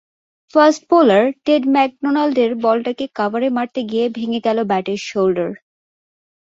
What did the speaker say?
Fast bowler Ted ম্যাকডোনাল্ডের বলটাকে কাভারে মারতে গিয়ে ভেঙে গেল ব্যাটের শোল্ডার।